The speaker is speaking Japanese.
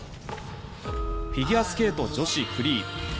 フィギュアスケート女子フリー。